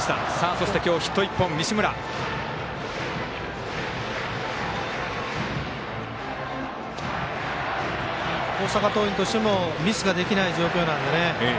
そして、今日ヒット１本西村。大阪桐蔭としてもミスができない状況なんでね。